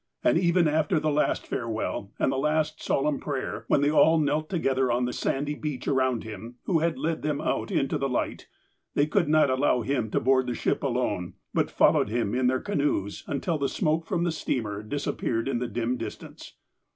Aud even after tlie last farewell, and the last solemn prayer, when they all knelt together on the sandy beach around him who had led them out into the light, they could not allow him to board the ship alone ; but followed him in their canoes until the smoke from the steamer disappeared in the dim distance.